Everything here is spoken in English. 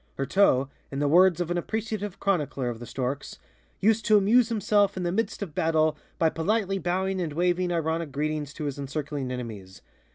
Heurteaux, in the words of an appreciative chronicler of The Storks, "used to amuse himself in the midst of battle by politely bowing and waving ironic greetings to his encircling enemies.